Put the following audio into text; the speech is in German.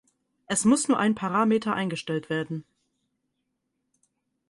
Es muss nur ein Parameter eingestellt werden.